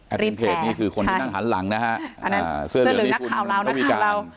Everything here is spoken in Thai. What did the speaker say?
แอดมินเพจนี่คือคนที่ตั้งหันหลังนะคะอันนั้นเสื้อเหลืองนักข่าวเรานักข่าวเรา